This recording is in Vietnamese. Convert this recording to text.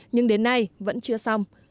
nhưng đến nay vẫn chưa xong